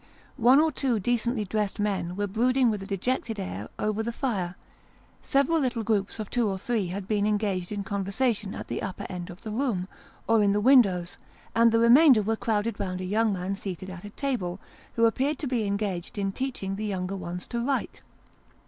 One or two decently dressed men were brooding with a dejected air over the fire ; several little groups of two or three had been engaged in conversation at the upper end of the room, or in the windows ; and the remainder were crowded round a young man seated at a table, who appeared to be engaged in teaching the younger ones to write.